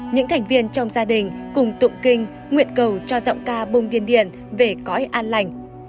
những thành viên trong gia đình cùng tụng kinh nguyện cầu cho giọng ca bông điền về cõi an lành